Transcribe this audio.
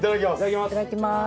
いただきます。